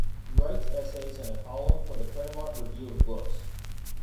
He writes essays and a column for the "Claremont Review of Books".